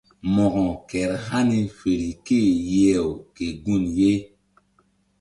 Mo̧ko kehr hani fer ké-e yeh-aw ke gun ye.